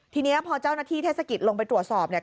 ทีนี้พอเจ้าหน้าที่เทศกิจลงไปตรวจสอบเนี่ย